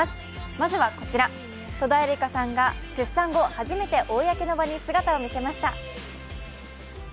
まずはこちら、戸田恵梨香さんが出産後初めて、公の場に姿を見せました。